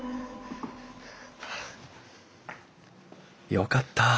よかった。